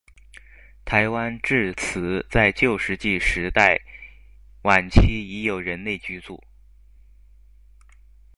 台湾至迟在旧石器时代晚期已有人类居住。